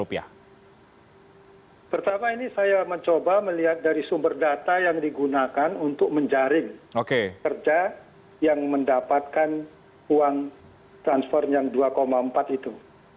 pertama ini saya mencoba melihat dari sumber data yang digunakan untuk menjaring kerja yang mendapatkan uang transfer yang dua empat itu